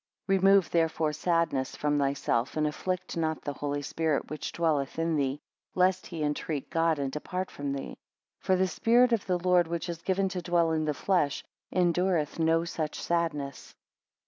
18 Remove therefore sadness from thyself, and afflict not the Holy Spirit which dwelleth in thee, lest he entreat God, and depart from thee. For the spirit of the Lord which is given to dwell in the flesh, endureth no such sadness.